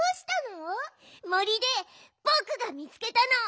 森でぼくがみつけたの！